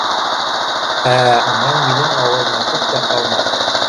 Ә унан минең ауылыма күп тә ҡалмай.